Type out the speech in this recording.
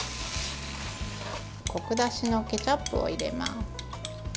こく出しのケチャップを入れます。